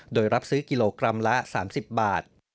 โดยรับซื้อกิโลกรัมละ๓๐บาท